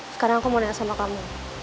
sekarang aku mau nanya sama kamu